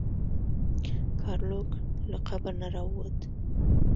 ګارلوک له قبر نه راووت.